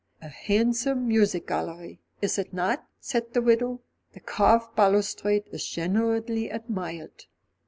"A handsome music gallery, is it not?" said the widow. "The carved balustrade is generally admired."